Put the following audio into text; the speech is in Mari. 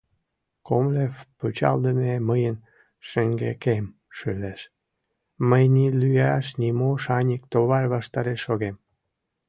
Комлев пычалдыме, мыйын шеҥгекем шылеш, мый ни лӱяш, ни мо — шаньык, товар ваштареш шогем.